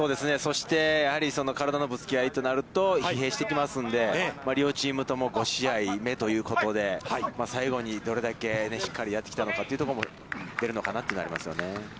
そして、やはり体のぶつけ合いとなると疲弊してきますんで、両チームとも５試合目ということで、最後にどれだけしっかりやってきたのかというところも出るのかなというのはありますよね。